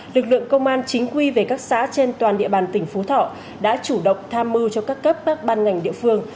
lực lượng công an chính quy về các xã trên toàn địa bàn tỉnh phú thọ đã chủ động tham mưu cho các cấp các ban ngành địa phương